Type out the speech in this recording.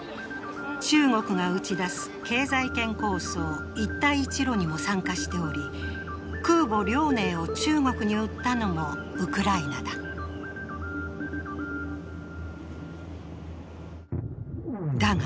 中国が打ち出す経済圏構想・一帯一路にも参加しており、空母「遼寧」を中国に売ったのもウクライナだ。